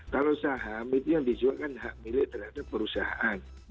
kalau saham itu yang dijual kan hak milik terhadap perusahaan